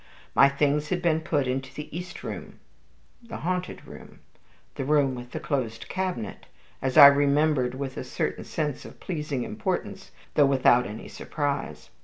My things had been put into the East Room, the haunted room, the room of the Closed Cabinet, as I remembered with a certain sense of pleased importance, though without any surprise.